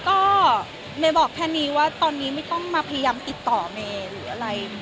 ก็เมย์บอกแค่นี้ว่าตอนนี้ไม่ต้องมาพยายามติดต่อเมย์หรืออะไร